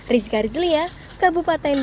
rizka rizlia kabupaten bandung